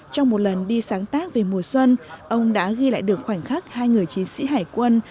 trong một lần đi sáng tác về mùa xuân ông đã ghi lại được khoảnh khắc hai người chiến sĩ hải quân